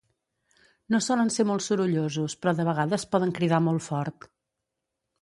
No solen ser molt sorollosos, però de vegades poden cridar molt fort.